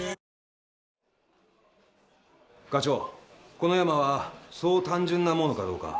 このヤマはそう単純なものかどうか。